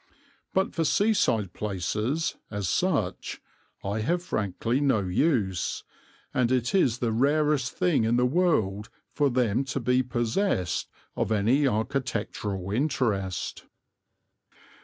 But for seaside places, as such, I have frankly no use, and it is the rarest thing in the world for them to be possessed of any architectural interest.